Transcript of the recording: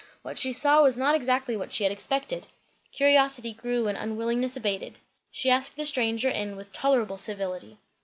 What she saw was not exactly what she had expected; curiosity grew and unwillingness abated. She asked the stranger in with tolerable civility.